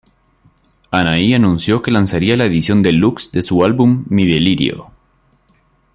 Anahí anunció que lanzaría la edición deluxe de su álbum "Mi delirio".